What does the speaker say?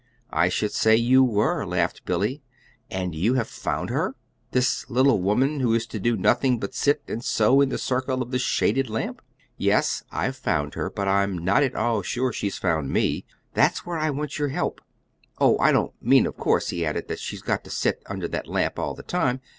"I should say you were," laughed Billy. "And have you found her? this little woman who is to do nothing but sit and sew in the circle of the shaded lamp?" "Yes, I've found her, but I'm not at all sure she's found me. That's where I want your help. Oh, I don't mean, of course," he added, "that she's got to sit under that lamp all the time.